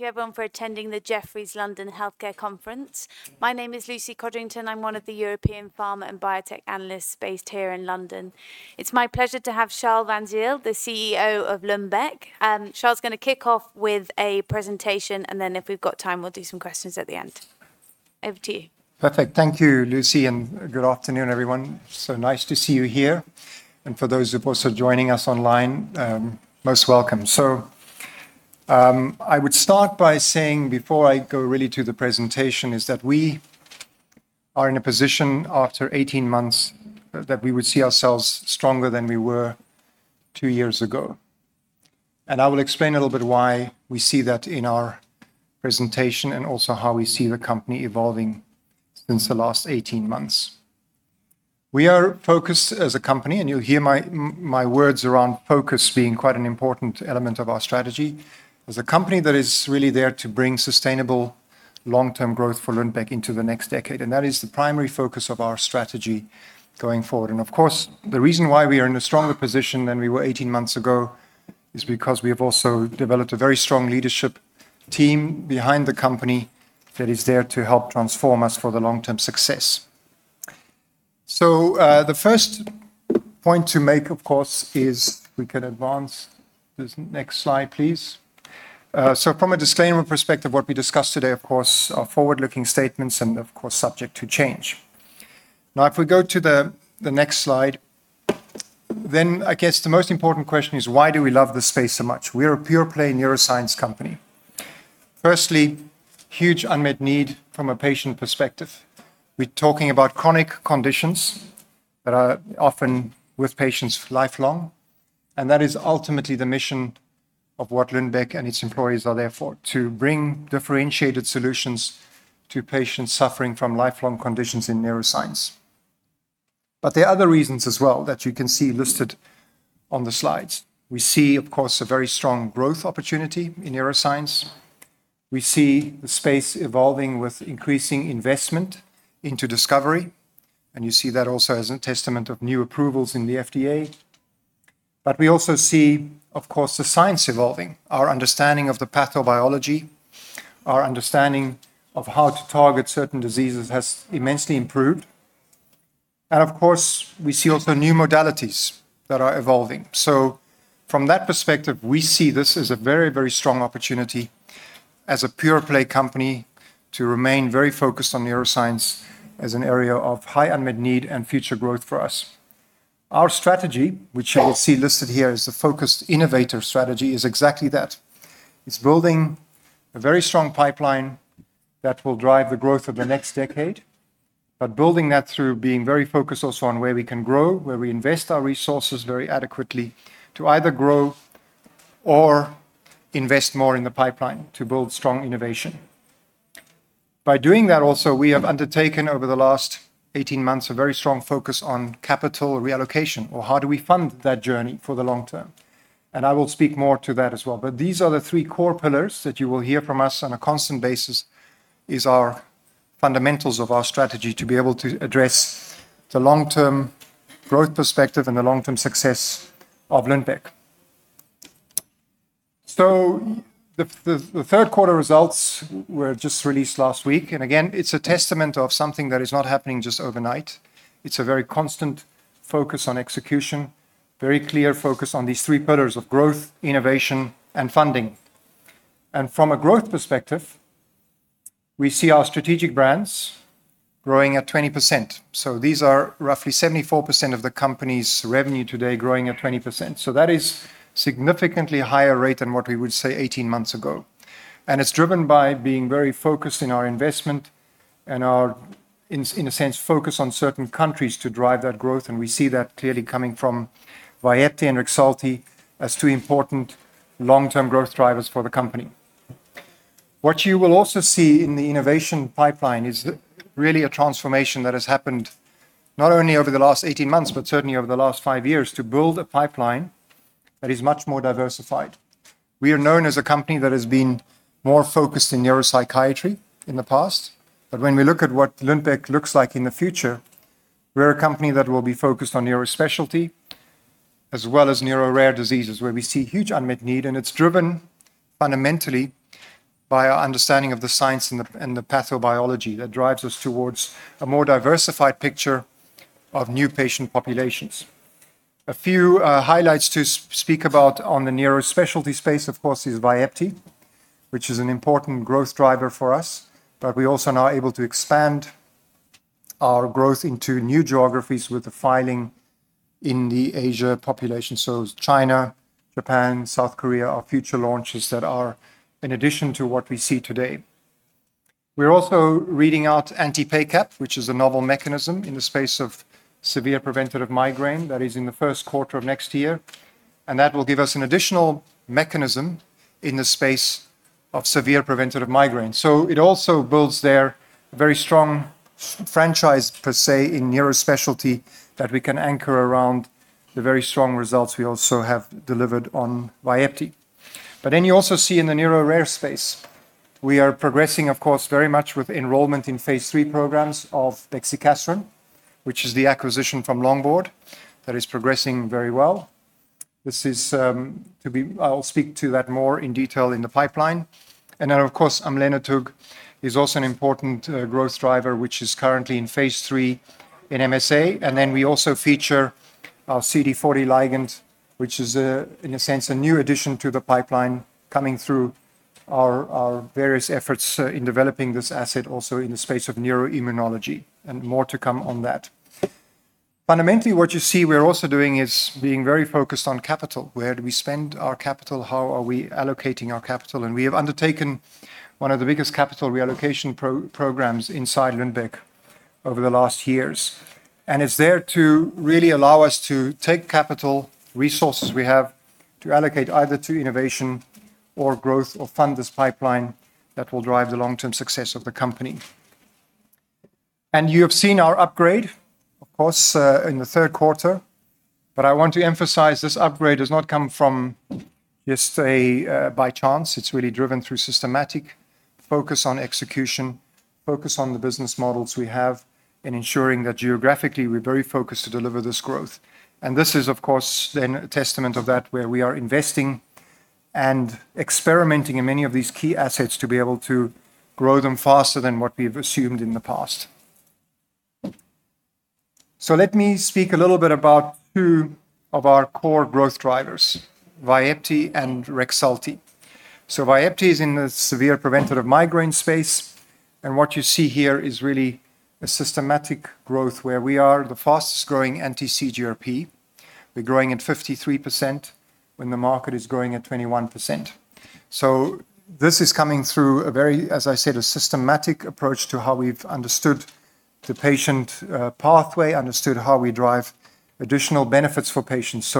Thank you, everyone, for attending the Jefferies London Healthcare Conference. My name is Lucy Codrington. I'm one of the European Pharma and Biotech Analysts based here in London. It's my pleasure to have Charl van Zyl, the CEO of Lundbeck. Charl is going to kick off with a presentation, and then if we've got time, we'll do some questions at the end. Over to you. Perfect. Thank you, Lucy, and good afternoon, everyone. So nice to see you here. And for those of us who are joining us online, most welcome. So I would start by saying before I go really to the presentation is that we are in a position after 18 months that we would see ourselves stronger than we were two years ago. And I will explain a little bit why we see that in our presentation and also how we see the company evolving since the last 18 months. We are focused as a company, and you'll hear my words around focus being quite an important element of our strategy as a company that is really there to bring sustainable long-term growth for Lundbeck into the next decade. And that is the primary focus of our strategy going forward. Of course, the reason why we are in a stronger position than we were 18 months ago is because we have also developed a very strong leadership team behind the company that is there to help transform us for the long-term success. So the first point to make, of course, is we can advance this next slide, please. So from a disclaimer perspective, what we discussed today, of course, are forward-looking statements and, of course, subject to change. Now, if we go to the next slide, then I guess the most important question is, why do we love this space so much? We are a pure-play neuroscience company. Firstly, huge unmet need from a patient perspective. We're talking about chronic conditions that are often with patients lifelong. And that is ultimately the mission of what Lundbeck and its employees are there for, to bring differentiated solutions to patients suffering from lifelong conditions in neuroscience. But there are other reasons as well that you can see listed on the slides. We see, of course, a very strong growth opportunity in neuroscience. We see the space evolving with increasing investment into discovery. And you see that also as a testament of new approvals in the FDA. But we also see, of course, the science evolving. Our understanding of the pathobiology, our understanding of how to target certain diseases has immensely improved. And of course, we see also new modalities that are evolving. So from that perspective, we see this as a very, very strong opportunity as a pure-play company to remain very focused on neuroscience as an area of high unmet need and future growth for us. Our strategy, which you will see listed here as the focused innovator strategy, is exactly that. It's building a very strong pipeline that will drive the growth of the next decade, but building that through being very focused also on where we can grow, where we invest our resources very adequately to either grow or invest more in the pipeline to build strong innovation. By doing that, also, we have undertaken over the last 18 months a very strong focus on capital reallocation or how do we fund that journey for the long term. And I will speak more to that as well. But these are the three core pillars that you will hear from us on a constant basis is our fundamentals of our strategy to be able to address the long-term growth perspective and the long-term success of Lundbeck. So the third quarter results were just released last week. And again, it's a testament of something that is not happening just overnight. It's a very constant focus on execution, very clear focus on these three pillars of growth, innovation, and funding. And from a growth perspective, we see our strategic brands growing at 20%. So these are roughly 74% of the company's revenue today growing at 20%. So that is a significantly higher rate than what we would say 18 months ago. And it's driven by being very focused in our investment and our, in a sense, focus on certain countries to drive that growth. And we see that clearly coming from VYEPTI and REXULTI as two important long-term growth drivers for the company. What you will also see in the innovation pipeline is really a transformation that has happened not only over the last 18 months, but certainly over the last five years to build a pipeline that is much more diversified. We are known as a company that has been more focused in neuropsychiatry in the past. But when we look at what Lundbeck looks like in the future, we're a company that will be focused on neurospecialty as well as neuro-rare diseases, where we see huge unmet need. And it's driven fundamentally by our understanding of the science and the pathobiology that drives us towards a more diversified picture of new patient populations. A few highlights to speak about on the neurospecialty space, of course, is VYEPTI, which is an important growth driver for us. But we also are now able to expand our growth into new geographies with the filing in the Asian population. So China, Japan, South Korea are future launches that are in addition to what we see today. We're also reading out anti-PACAP, which is a novel mechanism in the space of severe preventive migraine that is in the first quarter of next year. And that will give us an additional mechanism in the space of severe preventive migraine. So it also builds there a very strong franchise, per se, in neurospecialty that we can anchor around the very strong results we also have delivered on VYEPTI. But then you also see in the neuro-rare space, we are progressing, of course, very much with enrollment in phase III programs of bexicaserin, which is the acquisition from Longboard that is progressing very well. I'll speak to that more in detail in the pipeline. And then, of course, amlenetug is also an important growth driver, which is currently in phase III in MSA. And then we also feature our CD40 ligand, which is, in a sense, a new addition to the pipeline coming through our various efforts in developing this asset also in the space of neuroimmunology. And more to come on that. Fundamentally, what you see we're also doing is being very focused on capital. Where do we spend our capital? How are we allocating our capital? And we have undertaken one of the biggest capital reallocation programs inside Lundbeck over the last years. And it's there to really allow us to take capital resources we have to allocate either to innovation or growth or fund this pipeline that will drive the long-term success of the company. You have seen our upgrade, of course, in the third quarter. I want to emphasize this upgrade has not come from just by chance. It's really driven through systematic focus on execution, focus on the business models we have, and ensuring that geographically we're very focused to deliver this growth. This is, of course, then a testament of that where we are investing and experimenting in many of these key assets to be able to grow them faster than what we've assumed in the past. Let me speak a little bit about two of our core growth drivers, VYEPTI and REXULTI. VYEPTI is in the severe preventative migraine space. What you see here is really a systematic growth where we are the fastest growing anti-CGRP. We're growing at 53% when the market is growing at 21%. This is coming through a very, as I said, a systematic approach to how we've understood the patient pathway, understood how we drive additional benefits for patients.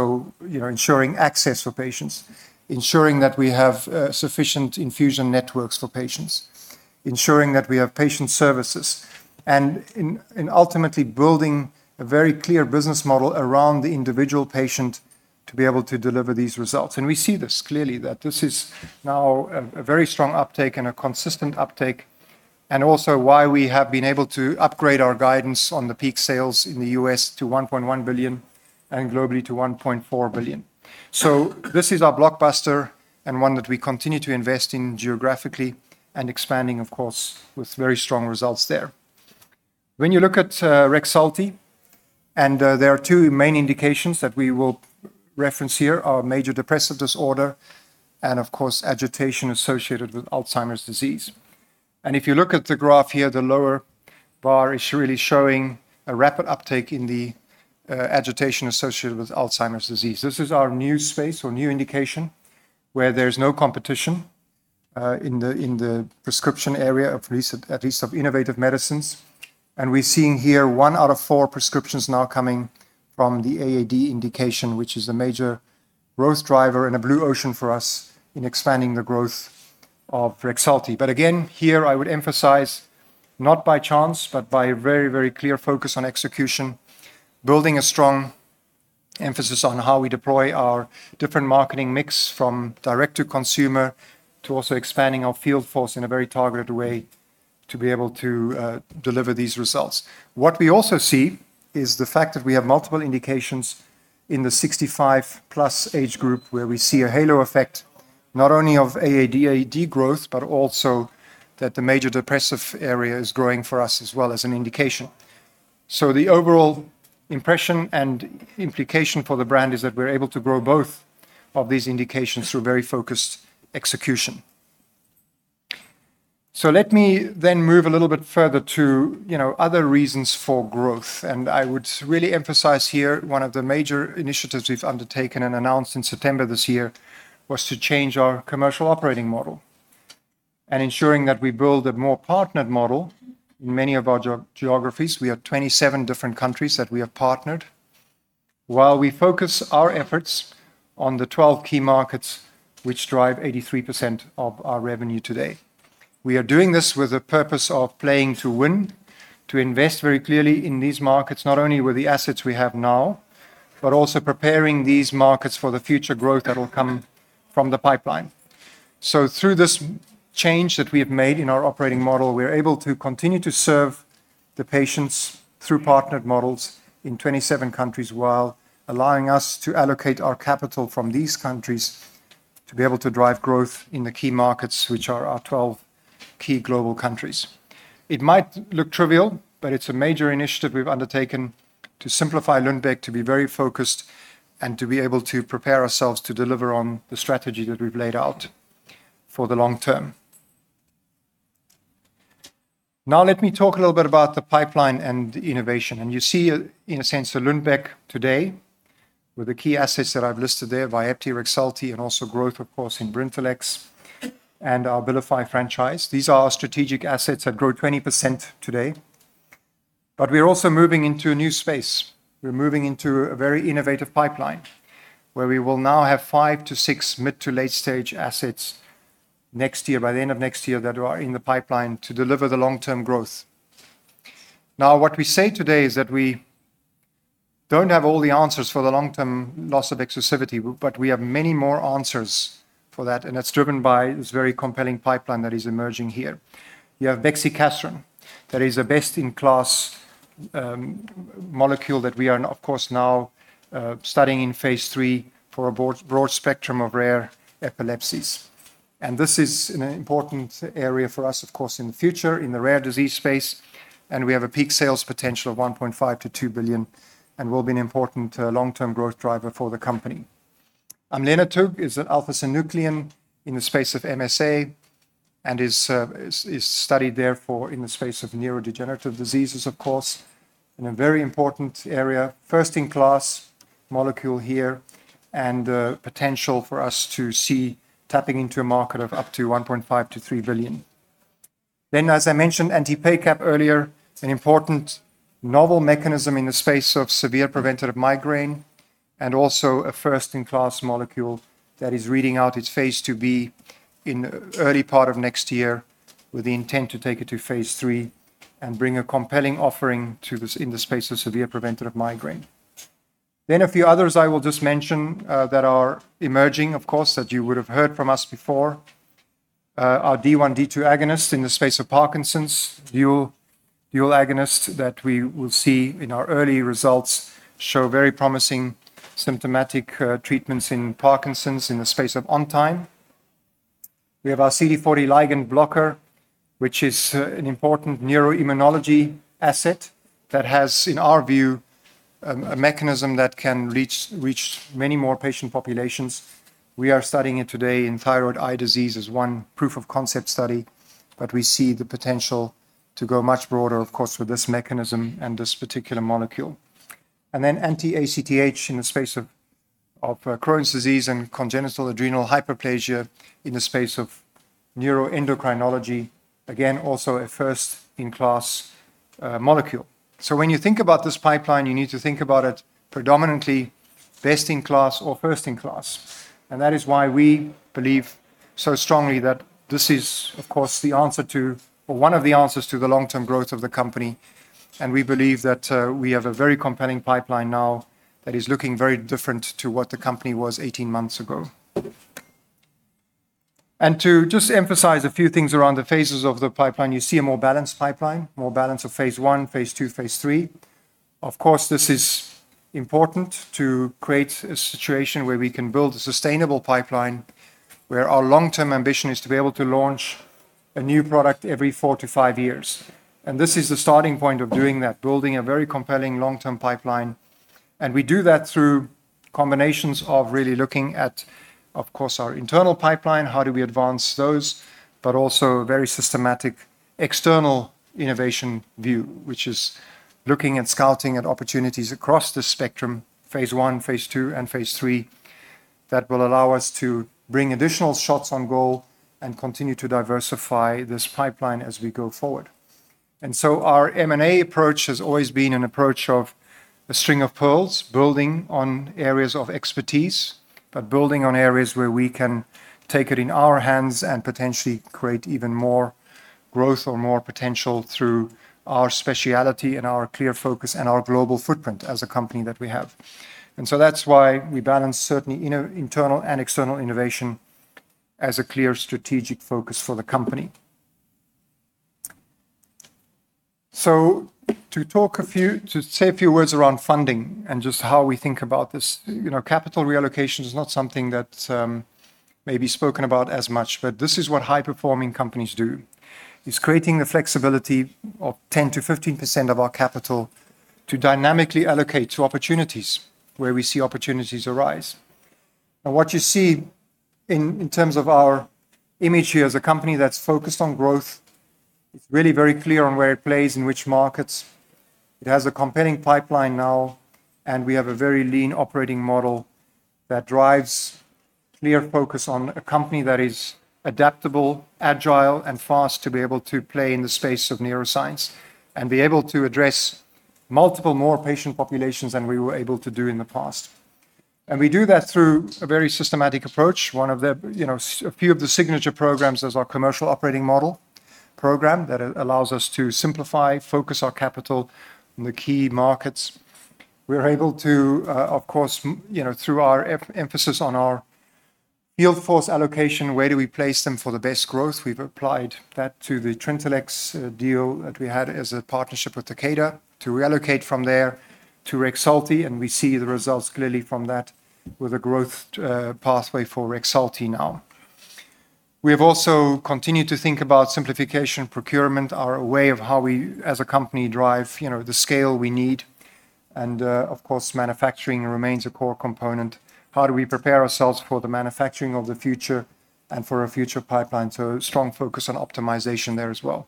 Ensuring access for patients, ensuring that we have sufficient infusion networks for patients, ensuring that we have patient services, and ultimately building a very clear business model around the individual patient to be able to deliver these results. We see this clearly that this is now a very strong uptake and a consistent uptake, and also why we have been able to upgrade our guidance on the peak sales in the U.S. to $1.1 billion and globally to $1.4 billion. This is our blockbuster and one that we continue to invest in geographically and expanding, of course, with very strong results there. When you look at REXULTI, there are two main indications that we will reference here: our major depressive disorder and, of course, agitation associated with Alzheimer's disease. And if you look at the graph here, the lower bar is really showing a rapid uptake in the agitation associated with Alzheimer's disease. This is our new space or new indication where there is no competition in the prescription area of at least of innovative medicines. And we're seeing here one out of four prescriptions now coming from the AAD indication, which is a major growth driver and a blue ocean for us in expanding the growth of REXULTI. But again, here I would emphasize not by chance, but by very, very clear focus on execution, building a strong emphasis on how we deploy our different marketing mix from direct to consumer to also expanding our field force in a very targeted way to be able to deliver these results. What we also see is the fact that we have multiple indications in the 65+ age group where we see a halo effect not only of AAD growth, but also that the major depressive area is growing for us as well as an indication. So the overall impression and implication for the brand is that we're able to grow both of these indications through very focused execution. So let me then move a little bit further to other reasons for growth. And I would really emphasize here one of the major initiatives we've undertaken and announced in September this year was to change our commercial operating model and ensuring that we build a more partnered model in many of our geographies. We have 27 different countries that we have partnered while we focus our efforts on the 12 key markets, which drive 83% of our revenue today. We are doing this with the purpose of playing to win, to invest very clearly in these markets, not only with the assets we have now, but also preparing these markets for the future growth that will come from the pipeline. Through this change that we have made in our operating model, we're able to continue to serve the patients through partnered models in 27 countries while allowing us to allocate our capital from these countries to be able to drive growth in the key markets, which are our 12 key global countries. It might look trivial, but it's a major initiative we've undertaken to simplify Lundbeck, to be very focused, and to be able to prepare ourselves to deliver on the strategy that we've laid out for the long term. Now, let me talk a little bit about the pipeline and innovation. You see, in a sense, Lundbeck today with the key assets that I've listed there, VYEPTI, REXULTI, and also growth, of course, in Brintellix and our ABILIFY franchise. These are our strategic assets that grow 20% today. We're also moving into a new space. We're moving into a very innovative pipeline where we will now have five to six mid- to late-stage assets next year, by the end of next year, that are in the pipeline to deliver the long-term growth. Now, what we say today is that we don't have all the answers for the long-term loss of exclusivity, but we have many more answers for that. And that's driven by this very compelling pipeline that is emerging here. You have bexicaserin that is a best-in-class molecule that we are, of course, now studying in phase III for a broad spectrum of rare epilepsies. And this is an important area for us, of course, in the future in the rare disease space. And we have a peak sales potential of $1.5 billion-$2 billion and will be an important long-term growth driver for the company. amlenetug is an alpha-synuclein in the space of MSA and is studied therefore in the space of neurodegenerative diseases, of course, and a very important area, first-in-class molecule here and potential for us to see tapping into a market of up to $1.5 billion-$3 billion. Then, as I mentioned, anti-PACAP earlier, an important novel mechanism in the space of severe preventive migraine and also a first-in-class molecule that is reading out its phase II-B in early part of next year with the intent to take it to phase III and bring a compelling offering to this in the space of severe preventive migraine. Then a few others I will just mention that are emerging, of course, that you would have heard from us before. Our D1, D2 agonists in the space of Parkinson's, dual agonists that we will see in our early results show very promising symptomatic treatments in Parkinson's in the space of ON time. We have our CD40 ligand blocker, which is an important neuroimmunology asset that has, in our view, a mechanism that can reach many more patient populations. We are studying it today in thyroid eye disease as one proof of concept study, but we see the potential to go much broader, of course, with this mechanism and this particular molecule, and then anti-ACTH in the space of Crohn's disease and congenital adrenal hyperplasia in the space of neuroendocrinology, again, also a first-in-class molecule, so when you think about this pipeline, you need to think about it predominantly best-in-class or first-in-class. That is why we believe so strongly that this is, of course, the answer to or one of the answers to the long-term growth of the company. We believe that we have a very compelling pipeline now that is looking very different to what the company was 18 months ago. To just emphasize a few things around the phases of the pipeline, you see a more balanced pipeline, more balance of phase I, phase II, phase III. Of course, this is important to create a situation where we can build a sustainable pipeline where our long-term ambition is to be able to launch a new product every four to five years. This is the starting point of doing that, building a very compelling long-term pipeline. And we do that through combinations of really looking at, of course, our internal pipeline, how do we advance those, but also a very systematic external innovation view, which is looking and scouting at opportunities across the spectrum, phase I, phase II and phase III that will allow us to bring additional shots on goal and continue to diversify this pipeline as we go forward. And so our M&A approach has always been an approach of a string of pearls, building on areas of expertise, but building on areas where we can take it in our hands and potentially create even more growth or more potential through our specialty and our clear focus and our global footprint as a company that we have. And so that's why we balance certainly internal and external innovation as a clear strategic focus for the company. So, to say a few words around funding and just how we think about this. Capital reallocation is not something that's maybe spoken about as much, but this is what high-performing companies do. It's creating the flexibility of 10%-15% of our capital to dynamically allocate to opportunities where we see opportunities arise. And what you see in terms of our image here as a company that's focused on growth, it's really very clear on where it plays, in which markets. It has a compelling pipeline now, and we have a very lean operating model that drives clear focus on a company that is adaptable, agile, and fast to be able to play in the space of neuroscience and be able to address multiple more patient populations than we were able to do in the past. And we do that through a very systematic approach. One of the few of the signature programs is our commercial operating model program that allows us to simplify, focus our capital in the key markets. We're able to, of course, through our emphasis on our field force allocation, where do we place them for the best growth? We've applied that to the TRINTELLIX deal that we had as a partnership with Takeda to reallocate from there to REXULTI, and we see the results clearly from that with a growth pathway for REXULTI now. We have also continued to think about simplification procurement, our way of how we as a company drive the scale we need. Of course, manufacturing remains a core component. How do we prepare ourselves for the manufacturing of the future and for our future pipeline? Strong focus on optimization there as well.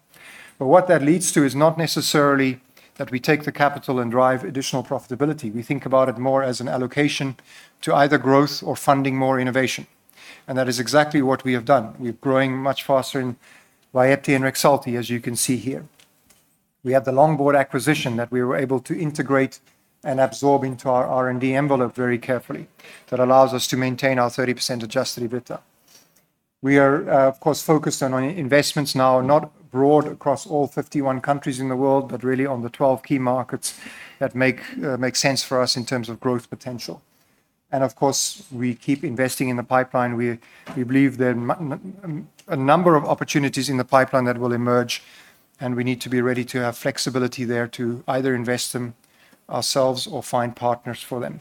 But what that leads to is not necessarily that we take the capital and drive additional profitability. We think about it more as an allocation to either growth or funding more innovation. And that is exactly what we have done. We're growing much faster in VYEPTI and REXULTI, as you can see here. We had the Longboard acquisition that we were able to integrate and absorb into our R&D envelope very carefully that allows us to maintain our 30% Adjusted EBITDA. We are, of course, focused on investments now, not broad across all 51 countries in the world, but really on the 12 key markets that make sense for us in terms of growth potential. And, of course, we keep investing in the pipeline. We believe there are a number of opportunities in the pipeline that will emerge, and we need to be ready to have flexibility there to either invest in ourselves or find partners for them.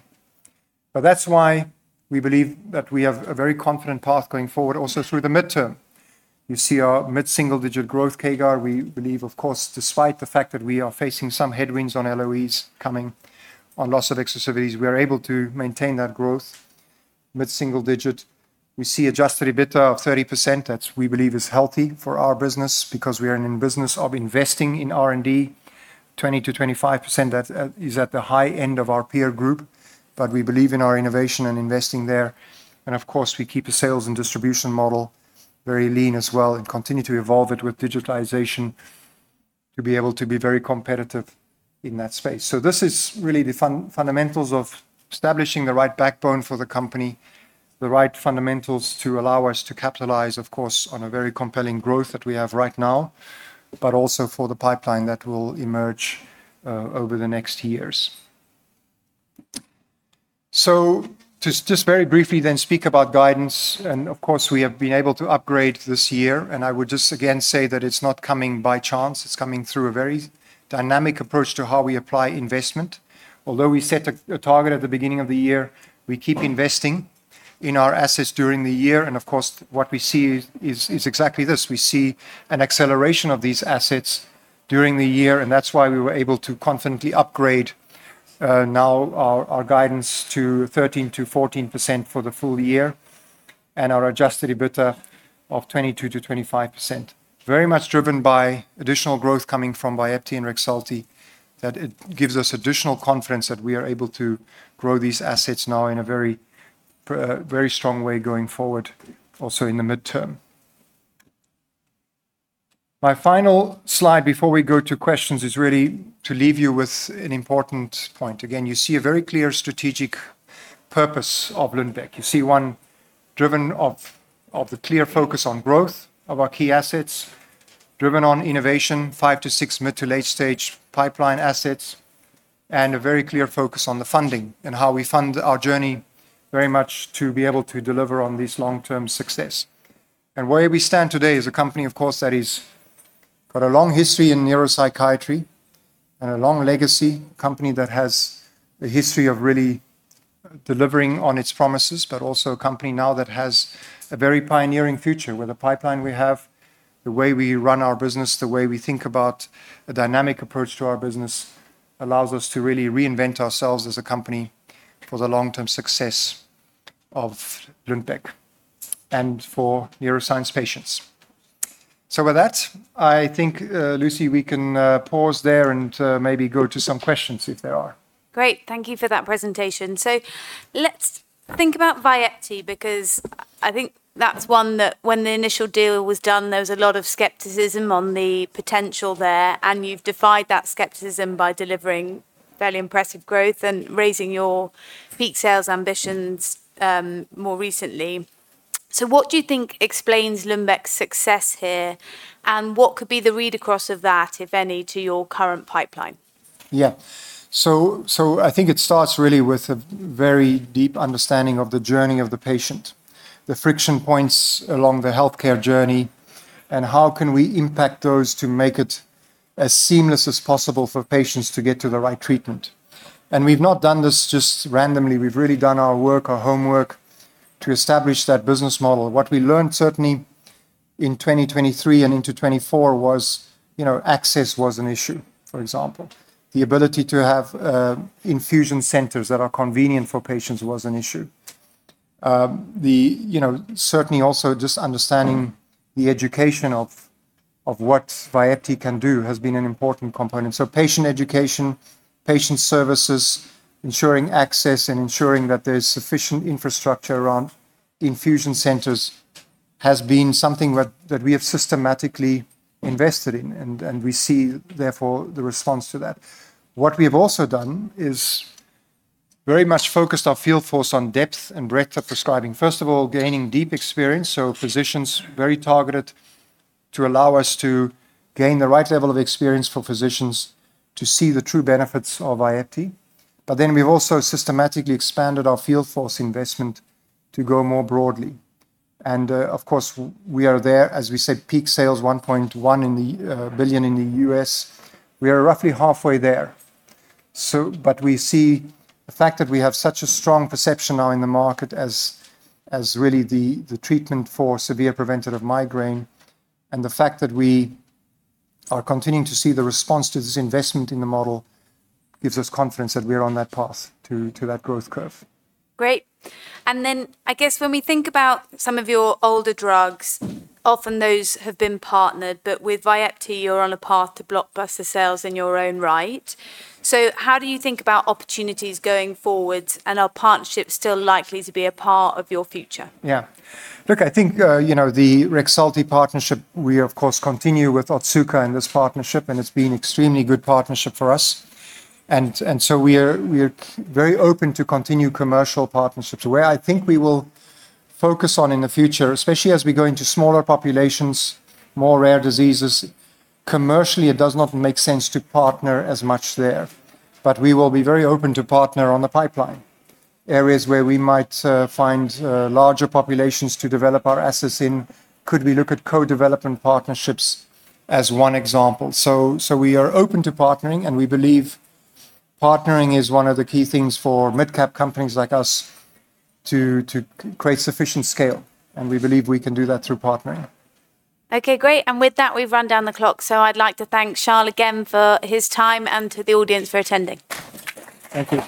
But that's why we believe that we have a very confident path going forward, also through the midterm. You see our mid-single-digit growth CAGR. We believe, of course, despite the fact that we are facing some headwinds on LOEs coming on loss of exclusivity, we are able to maintain that growth mid-single digit. We see adjusted EBITDA of 30%. That's, we believe, is healthy for our business because we are in the business of investing in R&D. 20%-25% is at the high end of our peer group, but we believe in our innovation and investing there. And, of course, we keep a sales and distribution model very lean as well and continue to evolve it with digitalization to be able to be very competitive in that space. So this is really the fundamentals of establishing the right backbone for the company, the right fundamentals to allow us to capitalize, of course, on a very compelling growth that we have right now, but also for the pipeline that will emerge over the next years. So to just very briefly then speak about guidance, and of course, we have been able to upgrade this year, and I would just again say that it's not coming by chance. It's coming through a very dynamic approach to how we apply investment. Although we set a target at the beginning of the year, we keep investing in our assets during the year. And, of course, what we see is exactly this. We see an acceleration of these assets during the year, and that's why we were able to confidently upgrade now our guidance to 13%-14% for the full year and our adjusted EBITDA of 22%-25%. Very much driven by additional growth coming from VYEPTI and REXULTI that gives us additional confidence that we are able to grow these assets now in a very strong way going forward, also in the midterm. My final slide before we go to questions is really to leave you with an important point. Again, you see a very clear strategic purpose of Lundbeck. You see one driver of the clear focus on growth of our key assets, driven by innovation, five to six mid- to late-stage pipeline assets, and a very clear focus on the funding and how we fund our journey very much to be able to deliver on this long-term success, and where we stand today is a company, of course, that has got a long history in neuropsychiatry and a long legacy, a company that has a history of really delivering on its promises, but also a company now that has a very pioneering future with the pipeline we have, the way we run our business, the way we think about a dynamic approach to our business allows us to really reinvent ourselves as a company for the long-term success of Lundbeck and for neuroscience patients. So with that, I think, Lucy, we can pause there and maybe go to some questions if there are. Great. Thank you for that presentation. So let's think about VYEPTI because I think that's one that when the initial deal was done, there was a lot of skepticism on the potential there, and you've defied that skepticism by delivering fairly impressive growth and raising your peak sales ambitions more recently. So what do you think explains Lundbeck's success here, and what could be the read across of that, if any, to your current pipeline? Yeah. So I think it starts really with a very deep understanding of the journey of the patient, the friction points along the healthcare journey, and how can we impact those to make it as seamless as possible for patients to get to the right treatment. And we've not done this just randomly. We've really done our work, our homework to establish that business model. What we learned certainly in 2023 and into 2024 was access an issue, for example. The ability to have infusion centers that are convenient for patients was an issue. Certainly, also just understanding the education of what VYEPTI can do has been an important component. So patient education, patient services, ensuring access, and ensuring that there's sufficient infrastructure around infusion centers has been something that we have systematically invested in, and we see therefore the response to that. What we have also done is very much focused our field force on depth and breadth of prescribing. First of all, gaining deep experience, so physicians very targeted to allow us to gain the right level of experience for physicians to see the true benefits of VYEPTI. But then we've also systematically expanded our field force investment to go more broadly. And, of course, we are there, as we said, peak sales $1.1 billion in the US. We are roughly halfway there. But we see the fact that we have such a strong perception now in the market as really the treatment for severe preventive migraine, and the fact that we are continuing to see the response to this investment in the model gives us confidence that we are on that path to that growth curve. Great. And then I guess when we think about some of your older drugs, often those have been partnered, but with VYEPTI, you're on a path to blockbuster sales in your own right. So how do you think about opportunities going forward, and are partnerships still likely to be a part of your future? Yeah. Look, I think the REXULTI partnership, we, of course, continue with Otsuka and this partnership, and it's been an extremely good partnership for us, and so we are very open to continue commercial partnerships, where I think we will focus on in the future, especially as we go into smaller populations, more rare diseases. Commercially, it does not make sense to partner as much there, but we will be very open to partner on the pipeline, areas where we might find larger populations to develop our assets in. Could we look at co-development partnerships as one example, so we are open to partnering, and we believe partnering is one of the key things for mid-cap companies like us to create sufficient scale, and we believe we can do that through partnering. Okay, great. With that, we've run down the clock, so I'd like to thank Charl again for his time and to the audience for attending. Thank you.